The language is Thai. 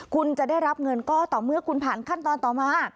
คุณจะได้รับเงินก็ต่อเมื่อคุณผ่านขั้นตอนต่อมา